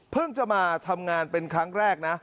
จะมาทำงานเป็นครั้งแรกนะ